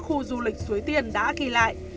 khu du lịch suối tiên đã ghi lại